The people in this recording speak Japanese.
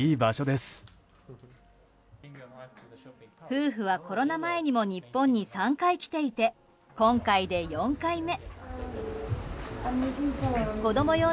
夫婦はコロナ前にも日本に３回来ていて今回で４回目。